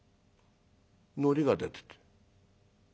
のりが出てて。